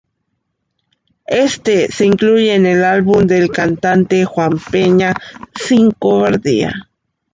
Éste se incluye en el álbum del cantante Juan Peña "Sin cobardía".